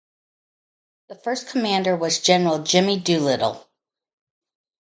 The first commander was General Jimmy Doolittle.